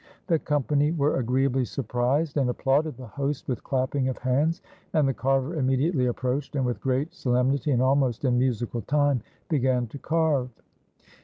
The company were agreeably surprised, and applauded the host with clapping of hands, and the carver immediately approached, and, with great so lemnity and almost in musical time, began to carve.